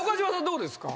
どうですか？